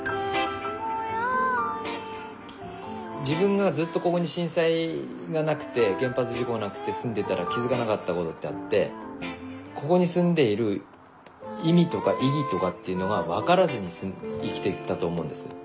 自分がずっとここに震災がなくて原発事故がなくて住んでたら気付かなかったことってあってここに住んでいる意味とか意義とかっていうのが分からずに生きていったと思うんです。